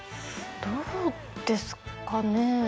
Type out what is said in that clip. どうですかね？